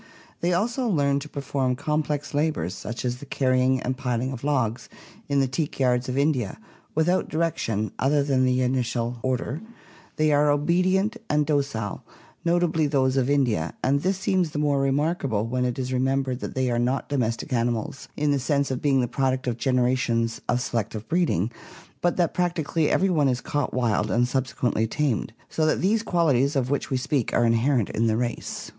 They also learn to perform complex labors, such as the carrying and piling of logs in the teak yards of India without direction other than the initial 586 ORGANIC EVOLUTION order; they are obedient and docile, notably those of India, and this seems the more remarkable when it is remembered that they are not domestic animals in the sense of being the product of genera tions of selective breeding, but that practically every one is caught wild and subsequently tamed, so that these qualities of which we speak are inherent in the race.